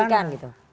tidak di sana